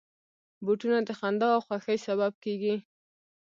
بوټونه د خندا او خوښۍ سبب کېږي.